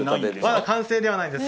まだ完成ではないんです。